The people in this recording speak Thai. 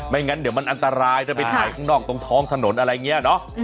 งั้นเดี๋ยวมันอันตรายถ้าไปถ่ายข้างนอกตรงท้องถนนอะไรอย่างนี้เนอะ